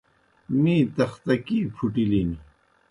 می تختکیْ پُھٹِلِن۔